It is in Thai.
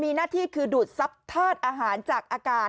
มีหน้าที่คือดูดซับเทิดอาหารจากอากาศ